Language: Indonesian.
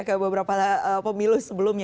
kayak beberapa pemilu sebelumnya